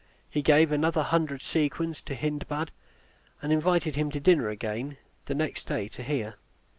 He gave another hundred sequins to Hindbad, and invited him to dinner again the next day to hear.